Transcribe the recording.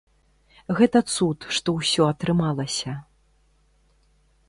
Гэта цуд, што ўсё атрымалася.